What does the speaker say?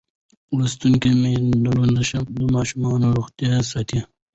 لوستې میندې د ماشوم روغتیا ساتي.